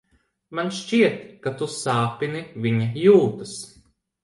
Man šķiet, ka tu sāpini viņa jūtas.